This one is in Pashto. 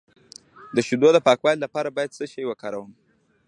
د شیدو د پاکوالي لپاره باید څه شی وکاروم؟